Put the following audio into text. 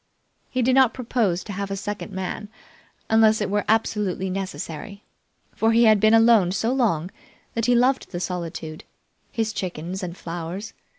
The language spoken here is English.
He did not propose to have a second man unless it were absolutely necessary, for he had been alone so long that he loved the solitude, his chickens, and flowers.